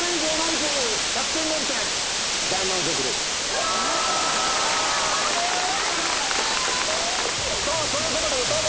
うわ！ということで。